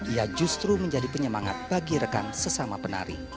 ia justru menjadi penyemangat bagi rekan sesama penari